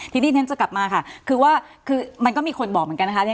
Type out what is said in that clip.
ทีนี้ตั้งแต่ว่ามันก็มีคนบอกเหมือนกันค่ะ